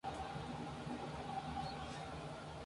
Me encanta ser una persona potencialmente sexual!